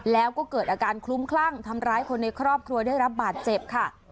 แล้วก็เกิดอาการคลุ้มคลั่งทำร้ายคนในครอบครัวได้รับบาดเจ็บค่ะ